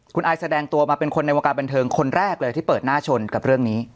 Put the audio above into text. คุณอายแสดงตัวมาเป็นคนในวงการบันเทิงคนแรกเลยที่เปิดหน้าชนกับเรื่องนี้